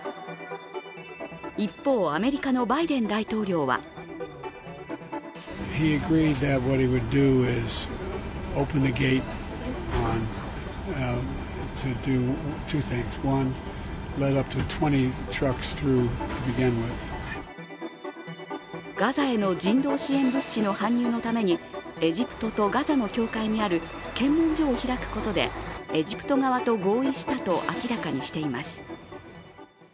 一方、アメリカのバイデン大統領はガザへの人道支援物資の搬入のためにエジプトとガザの境界にある検問所を開くことでエジプト側と合意したと明らかにしています。